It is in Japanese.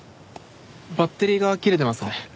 バッテリーが切れてますね。